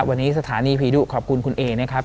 วันนี้สถานีผีดุขอบคุณคุณเอนะครับ